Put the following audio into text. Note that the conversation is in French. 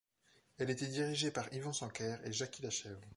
Elle était dirigée par Yvon Sanquer et Jacky Lachèvre.